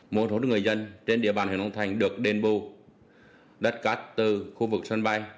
một hỗ trợ người dân trên địa bàn huyền long thành được đền bù đất cát từ khu vực sân bay